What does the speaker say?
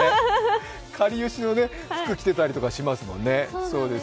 かりゆしの服着てたりとかしますもんね。